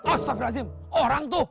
astagfirulazim orang tuh